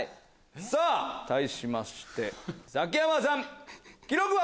さぁ対しましてザキヤマさん記録は？